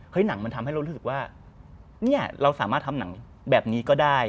หนังมันทำให้เรารู้สึกว่าเนี่ยเราสามารถทำหนังแบบนี้ก็ได้